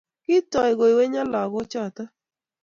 Kitooy koiwenyoo lagoochoto